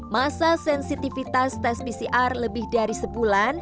masa sensitivitas tes pcr lebih dari sebulan